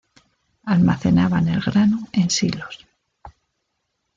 Almacenaban el grano en silos.